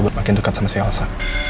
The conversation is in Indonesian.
buat makin dekat sama si elsa